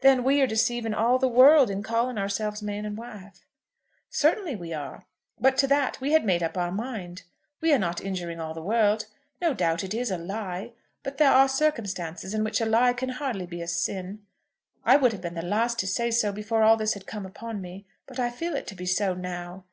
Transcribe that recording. "Then we are deceiving all the world in calling ourselves man and wife." "Certainly we are; but to that we had made up our mind! We are not injuring all the world. No doubt it is a lie, but there are circumstances in which a lie can hardly be a sin. I would have been the last to say so before all this had come upon me, but I feel it to be so now.